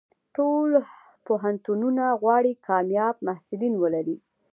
ټول پوهنتونونه غواړي کامیاب محصلین ولري.